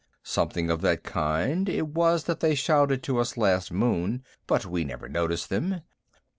"Something of that kind it was that they shouted to us last moon, but we never noticed them.